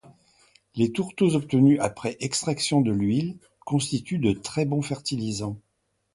Les tourteaux obtenus après extraction de l'huile constituent de très bons fertilisants.